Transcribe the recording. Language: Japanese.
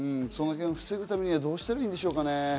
そのへんを防ぐためにはどうしたらいいんでしょうかね？